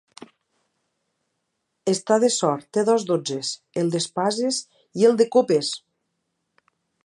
Està de sort, té dos dotzes: el d'espases i el de copes!